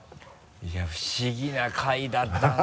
いや不思議な回だったな。